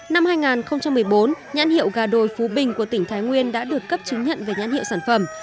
năm hai nghìn một mươi bốn nhãn hiệu gà đồi phú bình của tỉnh thái nguyên đã được cấp chứng nhận về nhãn hiệu sản phẩm